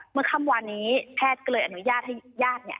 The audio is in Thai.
เมื่อค่ำวานนี้แพทย์ก็เลยอนุญาตให้ญาติเนี่ย